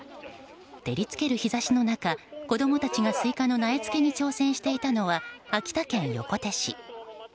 照りつける日差しの中子供たちがスイカの苗付けに挑戦していたのは秋田県横手市。